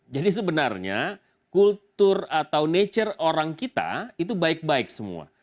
jadi sebenarnya kultur atau nature orang kita itu baik baik semua